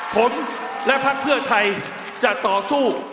ผมและพักเพื่อไทยจะต่อสู้